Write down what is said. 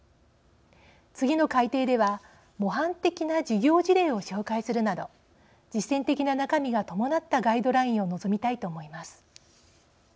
次の改訂では模範的な授業事例を紹介するなど実践的な中身が伴ったガイドラインを望みたいと思います。